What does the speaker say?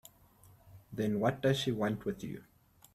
Then what does she want with you?